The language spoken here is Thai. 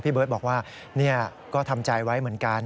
เบิร์ตบอกว่าก็ทำใจไว้เหมือนกัน